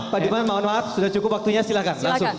pak dirman mohon maaf sudah cukup waktunya silakan